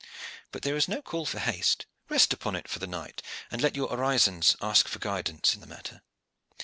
But there is no call for haste. Rest upon it for the night, and let your orisons ask for guidance in the matter.